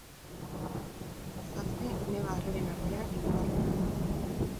Zazpi neba-arreben artean hirugarrena da.